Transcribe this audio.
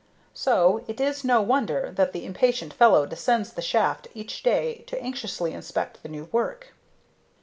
So it is no wonder that the impatient fellow descends the shaft each day to anxiously inspect the new work.